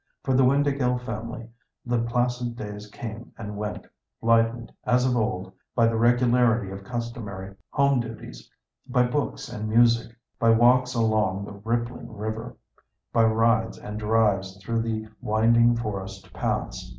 For the Windāhgil family, the placid days came and went, lightened, as of old, by the regularity of customary home duties, by books and music, by walks along the rippling river, by rides and drives through the winding forest paths.